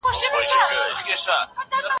که داسې نه کیږې زماباداره